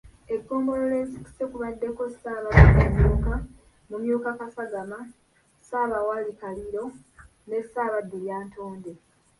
Eggombolola ezikiise kubaddeko; Ssaabaddu kinuuka, Mumyuka Kasagama, Ssaabawaali Kaliro ne Ssaabaddu Lyantonde.